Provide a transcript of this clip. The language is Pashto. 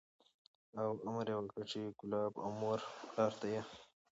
او امر یې وکړ چې کلاب او مور و پلار ته یې